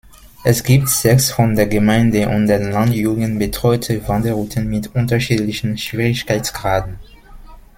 Es gibt sechs von der Gemeinde und der Landjugend betreute Wanderrouten mit unterschiedlichen Schwierigkeitsgraden.